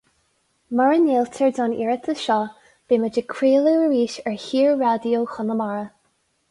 Mura ngéilltear don iarratas seo, beidh muid ag craoladh arís ar Shaor-Raidió Chonamara.